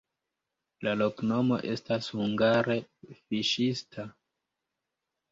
La loknomo estas hungare fiŝista.